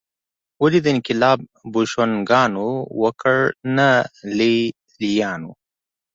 ولې دا انقلاب بوشونګانو وکړ نه لېلیانو